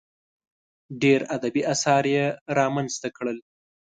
ډېر ادبي اثار یې رامنځته کړل.